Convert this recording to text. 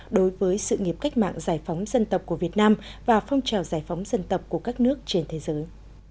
đối với sự nghiệp cách mạng giải phóng dân tộc của việt nam và phong trào giải phóng dân tộc của các nước trên thế giới